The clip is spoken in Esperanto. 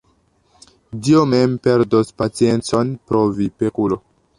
Dio mem perdos paciencon pro vi, pekulo!